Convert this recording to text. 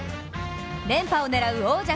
連覇を狙う王者